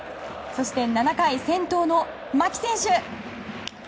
そして７回先頭の牧選手。